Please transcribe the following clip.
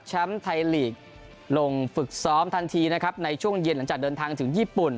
ไทยลีกลงฝึกซ้อมทันทีนะครับในช่วงเย็นหลังจากเดินทางถึงญี่ปุ่น